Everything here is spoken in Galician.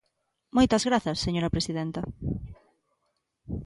Moitas grazas, señora presidenta.